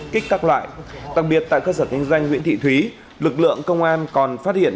kích các loại đặc biệt tại cơ sở kinh doanh nguyễn thị thúy lực lượng công an còn phát hiện